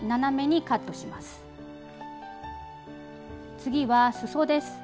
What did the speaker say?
次はすそです。